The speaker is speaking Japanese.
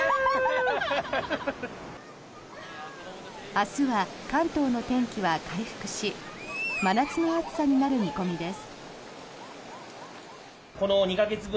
明日は関東の天気は回復し真夏の暑さになる見込みです。